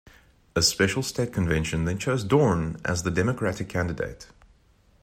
A special state convention then chose Dorn as the Democratic candidate.